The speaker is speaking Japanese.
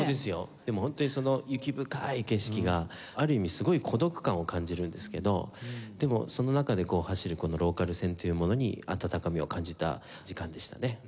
でもホントにその雪深い景色がある意味すごい孤独感を感じるんですけどでもその中で走るこのローカル線というものに温かみを感じた時間でしたね。